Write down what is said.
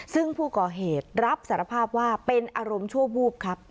ซึ่งผู้ก่อเหตุรับสารภาพว่าเป็นอารมณ์ชั่ววูบครับ